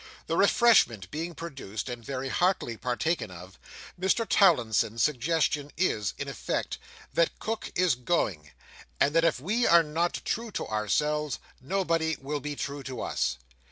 The refreshment being produced, and very heartily partaken of, Mr Towlinson's suggestion is, in effect, that Cook is going, and that if we are not true to ourselves, nobody will be true to us.